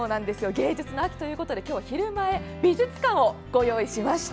芸術の秋ということで「ひるまえ美術館」をご用意しました。